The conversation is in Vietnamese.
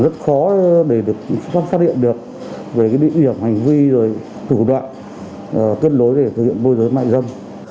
rất khó để được phát hiện được về địa điểm hành vi tử đoạn kết nối để thực hiện môi giới mại dâm